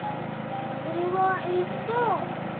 それはええっと。